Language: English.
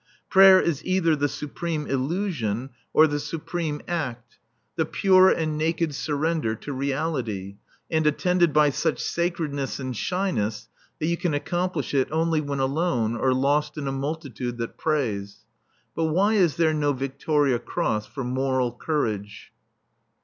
Prayer is either the Supreme Illusion, or the Supreme Act, the pure and naked surrender to Reality, and attended by such sacredness and shyness that you can accomplish it only when alone or lost in a multitude that prays. But why is there no Victoria Cross for moral courage?